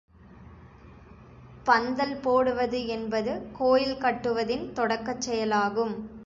பந்தல் போடுவது என்பது, கோயில் கட்டுவதின் தொடக்கச் செயலாகும்.